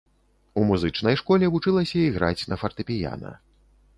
У музычнай школе вучылася іграць на фартэпіяна.